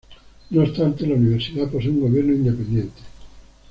No obstante, la universidad posee un gobierno independiente.